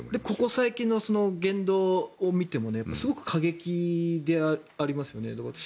ここ最近の言動を見てもすごく過激でありますよね。